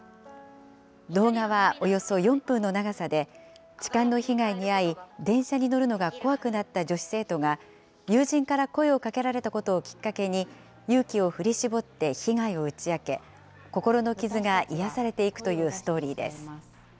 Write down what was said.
動画はおよそ４分の長さで、痴漢の被害に遭い、電車に乗るのが怖くなった女子生徒が、友人から声をかけられたことをきっかけに、勇気を振り絞って被害を打ち明け、心の傷が癒やされていくというストーリーです。